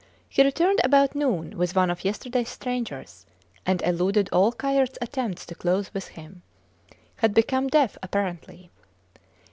He returned about noon with one of yesterdays strangers, and eluded all Kayerts attempts to close with him: had become deaf apparently.